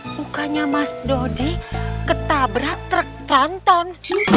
bukannya mas dodi ketabrak krek tronton